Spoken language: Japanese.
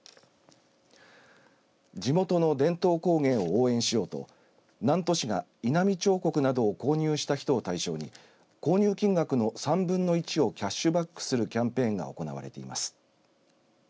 地元の伝統工芸を応援しようと南砺市が井波彫刻などを購入した人を対象に購入金額の３分の１をキャッシュバックするキャンペーンが行われています。